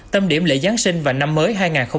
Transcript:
tâm điểm lễ giáng sinh và năm mới hai nghìn hai mươi bốn